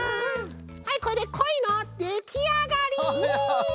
はいこれでコイのできあがり！